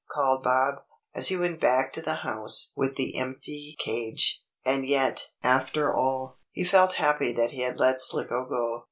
called Bob, as he went back to the house with the empty cage. And yet, after all, he felt happy that he had let Slicko go.